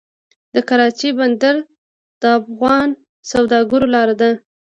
د کراچۍ بندر د افغان سوداګرو لاره ده